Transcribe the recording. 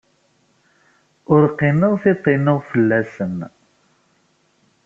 Ur qqineɣ tiṭ-inu fell-asen.